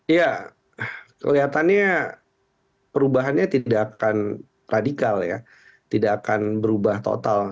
ya kelihatannya perubahannya tidak akan radikal ya tidak akan berubah total